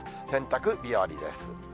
洗濯日和です。